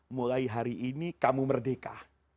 mulai hari ini kamu merdeka